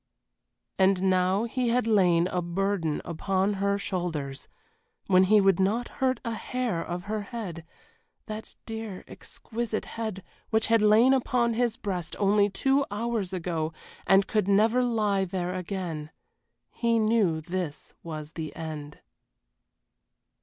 And now he had laid a burden upon her shoulders, when he would not hurt a hair of her head that dear, exquisite head which had lain upon his breast only two hours ago, and could never lie there again. He knew this was the end.